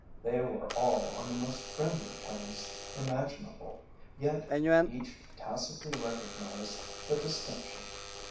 They were all on the most friendly terms imaginable, yet each tacitly recognized the distinction.